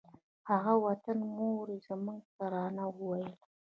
هغه د وطنه مور یې زموږ ترانه وویله